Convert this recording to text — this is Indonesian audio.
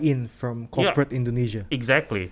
dengan intensi yang baik